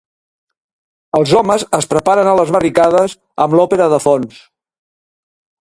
Els homes es preparen a les barricades, amb l'Òpera de fons.